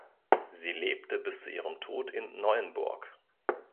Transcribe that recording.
Sie lebte bis zu ihrem Tod in Neuenburg.